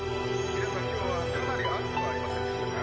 皆さん今日はかなり暑くありませんでしたか？